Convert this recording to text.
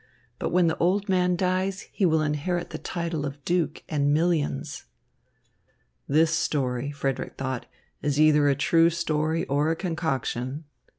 But when the old man dies, he will inherit the title of duke and millions." "This story," Frederick thought, "is either a true story or a concoction.